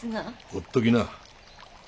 ほっときな。